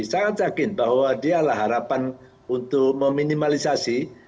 sangat yakin bahwa dialah harapan untuk meminimalisasi